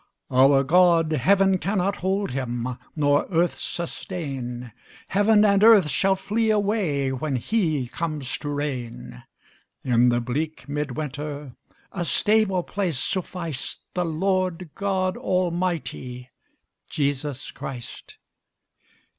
Our God, heaven cannot hold Him, Nor earth sustain; Heaven and earth shall flee away When He comes to reign: In the bleak mid winter A stable place sufficed The Lord God Almighty, Jesus Christ.